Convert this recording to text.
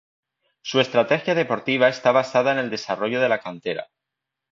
Su estrategia deportiva está basada en el desarrollo de la cantera.